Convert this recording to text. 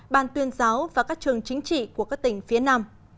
ban tuyên giáo và các trường chính trị của các tỉnh phía nam